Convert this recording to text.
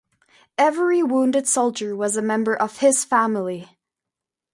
Every wounded soldier was a member of his family.